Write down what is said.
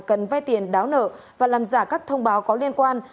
cần vay tiền đáo nợ và làm giả các thông báo có liên quan